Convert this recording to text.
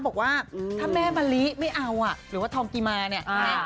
บอกว่าถ้าแม่มะลิไม่เอาอ่ะหรือว่าทองกิมาเนี่ยนะ